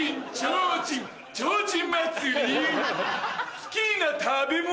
好きな食べ物